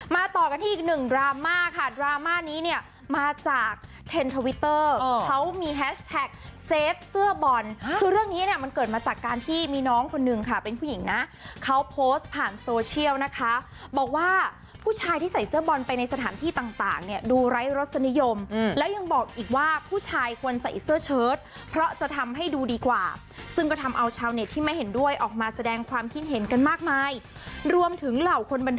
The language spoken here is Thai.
มาต่อกันที่อีกหนึ่งดราม่าค่ะดราม่านี้เนี่ยมาจากเทนทวิตเตอร์เขามีแฮชแท็กเซฟเสื้อบอลคือเรื่องนี้เนี่ยมันเกิดมาจากการที่มีน้องคนหนึ่งค่ะเป็นผู้หญิงนะเขาโพสต์ผ่านโซเชียลนะคะบอกว่าผู้ชายที่ใส่เสื้อบอลไปในสถานที่ต่างเนี่ยดูไร้รัศนิยมแล้วยังบอกอีกว่าผู้ชายควรใส่เสื้อเชิดเพราะจะทำ